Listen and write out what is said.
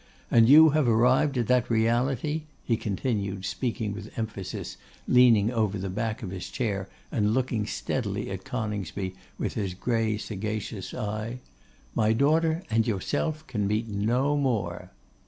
And you have arrived at that reality,' he continued, speaking with emphasis, leaning over the back of his chair, and looking steadily at Coningsby with his grey, sagacious eye; 'my daughter and yourself can meet no more.